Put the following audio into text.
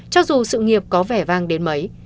cho dù sự nghiệp có vẻ vang đến mấy